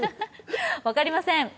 分かりません！